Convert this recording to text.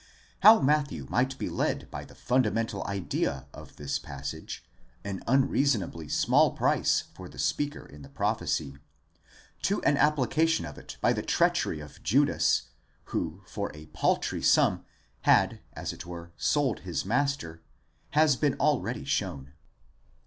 ® How Matthew might be led by the funda mental idea of this passage—an unreasonably small price for the speaker in the prophecy—to an application of it to the treachery of Judas, who for 2 paltry sum had as it were sold his master, has been already shown.!